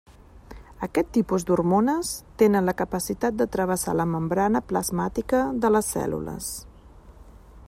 Aquest tipus d'hormones tenen la capacitat de travessar la membrana plasmàtica de les cèl·lules.